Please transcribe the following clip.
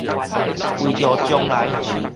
為著將來